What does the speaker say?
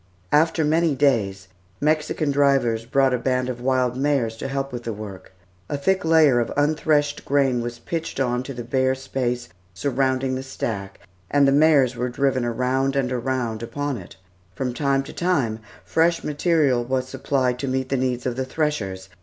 After many days, Mexican drivers brought a band of wild mares to help with the work. A thick layer of unthreshed grain was pitched on to the bare space surrounding the stack and the mares were driven around and around upon it. From time to time, fresh material was supplied to meet the needs of the threshers.